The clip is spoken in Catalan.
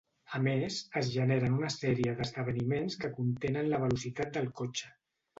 A més, es generen una sèrie d'esdeveniments que contenen la velocitat del cotxe.